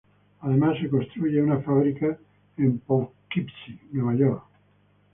Además se construyó una fábrica en Poughkeepsie, Nueva York.